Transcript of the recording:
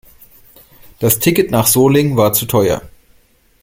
Das Ticket nach Solingen war zu teuer